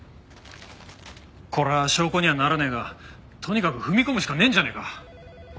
これは証拠にはならねえがとにかく踏み込むしかねえんじゃねえか？